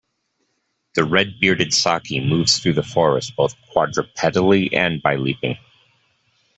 The red-bearded saki moves through the forest both quadrupedally and by leaping.